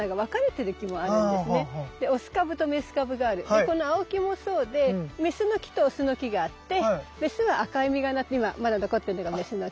でこのアオキもそうでメスの木とオスの木があってメスは赤い実がなって今まだ残ってんのがメスの木。